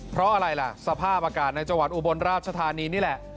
เพราะอะไรล่ะสภาพอากาศในจังหวัดอุบลราชธานีนี่แหละ